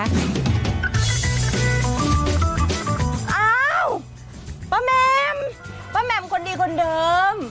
อ้าวป้าแหม่มป้าแหม่มคนดีคนเดิม